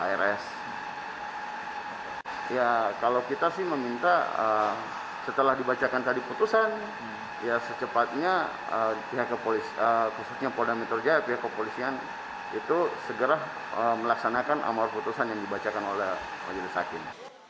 ya kalau kita sih meminta setelah dibacakan tadi putusan ya secepatnya pihak kepolisian khususnya polda metro jaya pihak kepolisian itu segera melaksanakan amar putusan yang dibacakan oleh majelis hakim